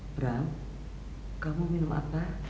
bram kamu minum apa